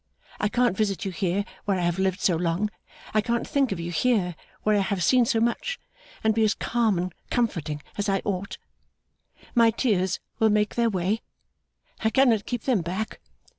I can't visit you here where I have lived so long, I can't think of you here where I have seen so much, and be as calm and comforting as I ought. My tears will make their way. I cannot keep them back.